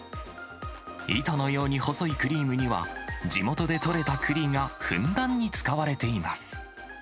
糸のように細いクリームには、地元で取れたくりがふんだんに使われています。